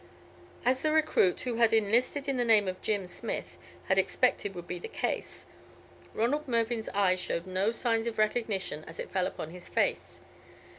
As the recruit, who had enlisted in the name of Jim Smith, had expected would be the case, Ronald Mervyn's eye showed no signs of recognition as it fell upon his face.